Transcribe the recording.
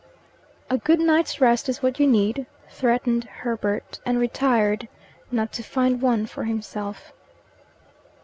"A good night's rest is what you need," threatened Herbert, and retired, not to find one for himself.